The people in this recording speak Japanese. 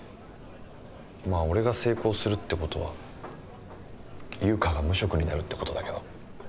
まあ俺が成功するって事は優香は無職になるって事だけど。